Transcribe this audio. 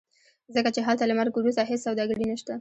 ځکه چې هلته له مرګ وروسته هېڅ سوداګري نشته.